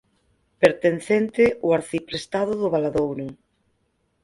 Pertencente o arciprestado do Valadouro.